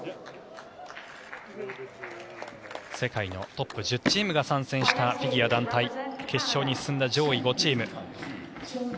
世界のトップ１０チームが参戦したフィギュア団体決勝に進んだ上位５チーム。